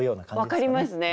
分かりますね。